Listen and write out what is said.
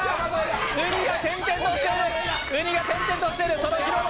うにが転々としている。